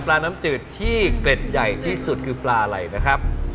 น้ำจืดที่เกร็ดใหญ่ที่สุดคือปลาอะไรนะครับ